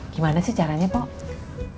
gimana sih caranya pak